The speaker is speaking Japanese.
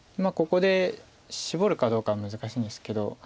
ここでシボるかどうかは難しいんですけど。